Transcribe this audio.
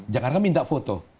janganlah minta foto